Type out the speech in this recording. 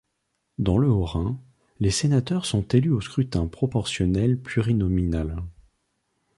Dans le Haut-Rhin, les sénateurs sont élus au scrutin proportionnel plurinominal.